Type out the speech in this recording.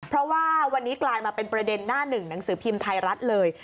เพราะว่าวันนี้กลายมาเป็นประเด็นหน้าหนึ่งหนังสือพิมพ์ไทยรัฐเลย